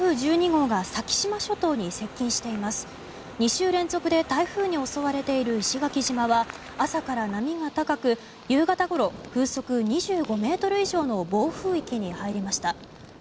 ２週連続で台風に襲われている石垣島は朝から波が高く夕方ごろ、風速２５ｍ以上の暴風域に入りました。